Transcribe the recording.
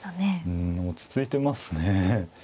うん落ち着いてますね。